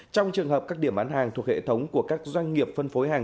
trong trường hợp các điểm bán hàng thuộc hệ thống của các doanh nghiệp phân phối hàng